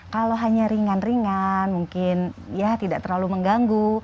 kalau hanya ringan ringan mungkin ya tidak terlalu mengganggu